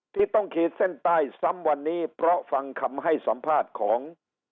ที่ต้องขีดเส้นใต้ซ้ำวันนี้เพราะฟังคำให้สัมภาษณ์ของ